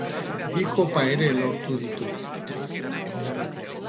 Bi kopa ere lortu ditu.